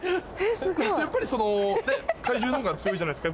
やっぱりその怪獣の方が強いじゃないですか。